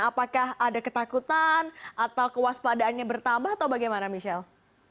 apakah ada ketakutan atau kewaspadaannya bertambah atau bagaimana michelle